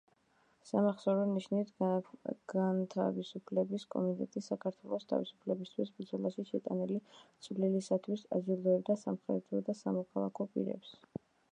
სამახსოვრო ნიშნით „განთავისუფლების კომიტეტი“ საქართველოს თავისუფლებისთვის ბრძოლაში შეტანილი წვლილისათვის აჯილდოებდა სამხედრო და სამოქალაქო პირებს.